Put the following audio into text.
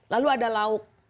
lalu ada lauk